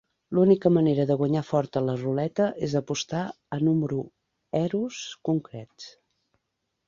L'única manera de guanyar fort a la ruleta és apostar a número eros concrets.